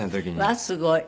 わあすごい。